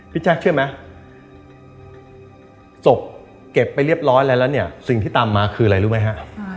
แจ๊คเชื่อไหมศพเก็บไปเรียบร้อยแล้วเนี่ยสิ่งที่ตามมาคืออะไรรู้ไหมฮะ